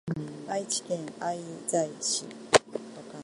愛知県愛西市